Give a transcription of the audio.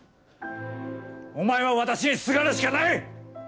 お前は私に、すがるしかない！